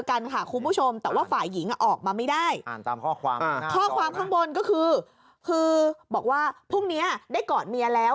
อันสีขาวบนสุดน่ะ